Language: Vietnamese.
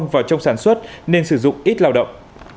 vào trong sản xuất nên sử dụng ít lao động